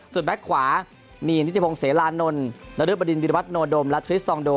ส่วนแบ็คขวามีนิติพงศ์เสรานนลณฤบดินวิทยาวัฒนโดมและธุริสตรองโด